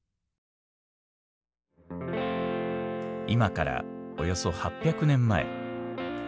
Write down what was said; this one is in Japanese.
今からおよそ８００年前。